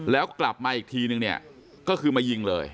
แล้วกลับมาอีกทีนึงเนี่ยก็คือมายิงเลย